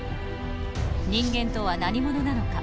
人間とは何者なのか？